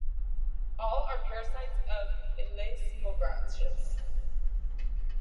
All are parasites of elasmobranchs.